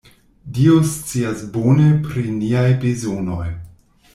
Dio scias bone pri niaj bezonoj.